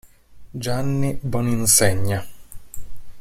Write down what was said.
Gianni Boninsegna